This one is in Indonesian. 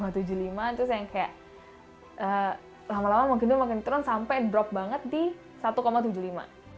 terus yang kayak lama lama makin tuh makin turun sampai drop banget di satu tujuh puluh lima